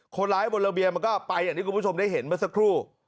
คนร้ายบนระเบียงมันก็ไปอย่างที่คุณผู้ชมได้เห็นเมื่อสักครู่